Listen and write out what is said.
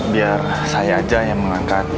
biar saya aja yang mengangkat